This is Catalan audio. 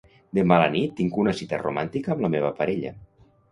Demà a la nit tinc una cita romàntica amb la meva parella.